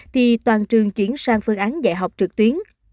thì toàn trường chuyển sang phương án dạy học trực tuyến